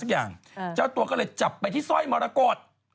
อะไรสักอย่างเจ้าตัวก็เลยจับไปที่สร้อยมรกฏ